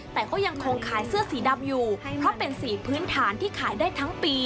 แต่ก็ยังคงขายเสื้อสีดำอยู่เพราะเป็นสีพื้นฐานที่ขายได้ทั้งปี